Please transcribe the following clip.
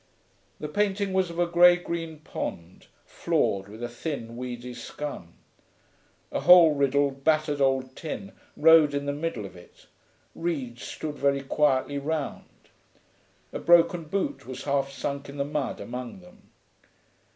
The painting was of a grey green pond, floored with a thin, weedy scum. A hole riddled, battered old tin rode in the middle of it; reeds stood very quietly round; a broken boot was half sunk in the mud among them.